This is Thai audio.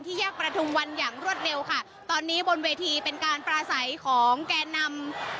แยกประทุมวันอย่างรวดเร็วค่ะตอนนี้บนเวทีเป็นการปลาใสของแก่นำ